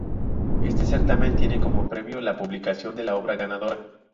Este certamen tiene como premio la publicación de la obra ganadora.